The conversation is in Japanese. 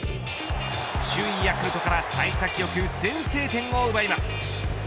首位ヤクルトから幸先良く先制点を奪います。